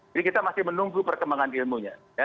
jadi kita masih menunggu perkembangan ilmunya